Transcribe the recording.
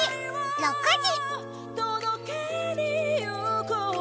６時！